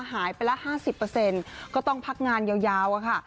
หายไปละห้าสิบเปอร์เซ็นต์ก็ต้องพักงานยาวค่ะ